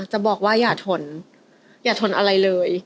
จะบอกว่าอย่าทนอย่าทนอะไรเลย